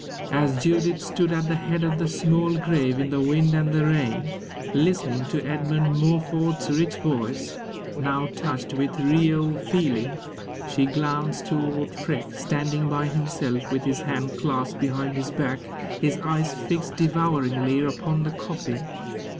As Judith stood at the head of the small grave in the wind and the rain, listening to Edmund Morford's rich voice, now touched with real feeling, she glanced toward Freke, standing by himself, with his hands clasped behind his back, his eyes fixed devouringly upon the coffin.